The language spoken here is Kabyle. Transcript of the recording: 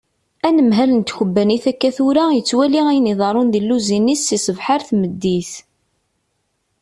Anemhal n tkebbanit akka tura yettwali ayen iḍerrun di lluzin-is si sbeḥ ar tmeddit.